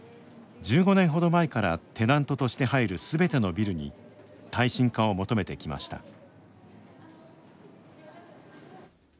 １５年ほど前からテナントとして入るすべてのビルに耐震化を求めてきました。